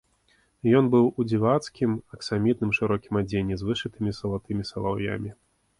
Ён быў у дзівацкім аксамітным шырокім адзенні з вышытымі залатымі салаўямі.